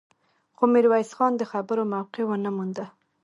خو ميرويس خان د خبرو موقع ونه مونده.